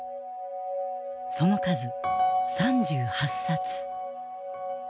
その数３８冊。